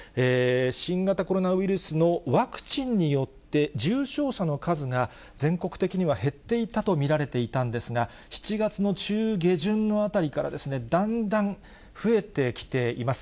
新型コロナウイルスのワクチンによって、重症者の数が全国的には減っていたと見られていたんですが、７月の中、下旬のあたりからだんだん増えてきています。